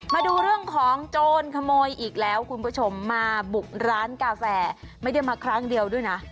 มาดูเรื่องของโจรขโมยอีกแล้วคุณผู้ชมมาบุกร้านกาแฟไม่ได้มาครั้งเดียวด้วยนะ